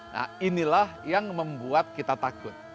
nah inilah yang membuat kita takut